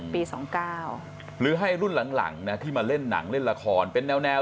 ปี๒๙หรือให้รุ่นหลังนะที่มาเล่นหนังเล่นละครเป็นแนว